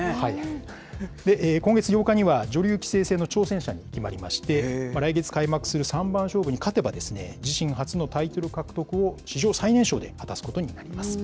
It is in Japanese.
今月８日には女流棋聖戦の挑戦者に決まりまして、来月開幕する三番勝負に勝てば、自身初のタイトル獲得を史上最年少で果たすことになります。